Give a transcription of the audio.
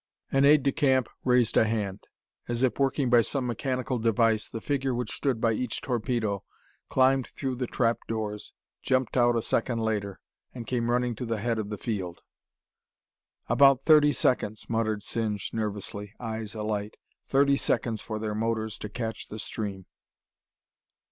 An aide de camp raised a hand. As if working by some mechanical device, the figure which stood by each torpedo climbed through the trap doors, jumped out a second later, and came running to the head of the field. "About thirty seconds," muttered Singe nervously, eyes alight. "Thirty seconds for their motors to catch the stream.